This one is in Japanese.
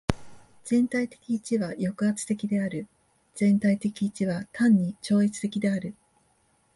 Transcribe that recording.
全体的一は抑圧的である。全体的一は単に超越的である。